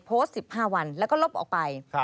โพสต์๑๕วันแล้วก็ลบออกไป